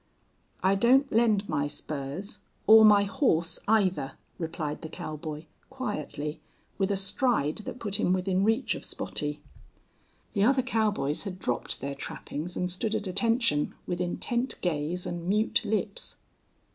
"I don't lend my spurs or my horse, either," replied the cowboy, quietly, with a stride that put him within reach of Spottie. The other cowboys had dropped their trappings and stood at attention, with intent gaze and mute lips.